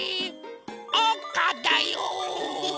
おうかだよ。